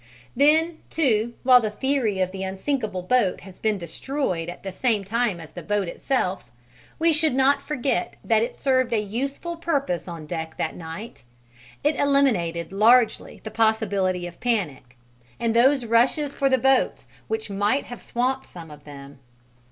Then, too, while the theory of the unsinkable boat has been destroyed at the same time as the boat itself, we should not forget that it served a useful purpose on deck that night it eliminated largely the possibility of panic, and those rushes for the boats which might have swamped some of them.